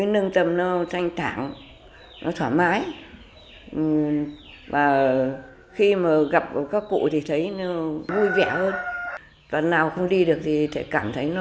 tôi nên chùa thấy nâng tâm thanh thản thoải mái và khi mà gặp các cụ thì thấy vui vẻ hơn và nào không đi được thì cảm thấy nhớ